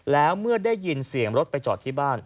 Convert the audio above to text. แล้วเมื่อได้ยินเสียงรถไปจอดที่บ้าน